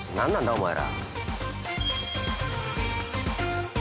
お前ら。